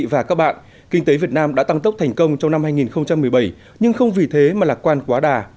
và các bạn kinh tế việt nam đã tăng tốc thành công trong năm hai nghìn một mươi bảy nhưng không vì thế mà lạc quan quá đà